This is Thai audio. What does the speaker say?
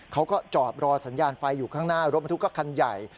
เขาก็จอดรอสัญญาณไฟอยู่ข้างหน้ารถบรรทุกก็คันใหญ่